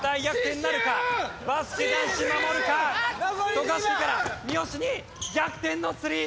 渡嘉敷から三好に逆転のスリー！